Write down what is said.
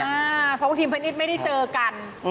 เพราะว่าทีมพนิดไม่ได้เจอกัน